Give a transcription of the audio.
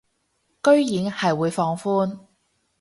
居然係會放寬